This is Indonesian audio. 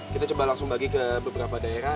kita coba langsung bagi ke beberapa daerah